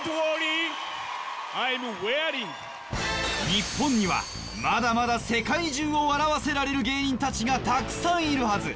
日本にはまだまだ世界中を笑わせられる芸人たちがたくさんいるはず